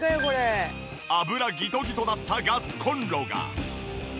油ギトギトだったガスコンロが。